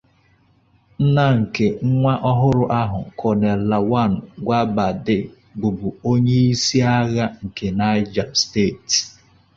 Nna nke nwa ọhụrụ ahụ, Colonel Lawan Gwadabe, bụbu onye isi agha nke Niger State.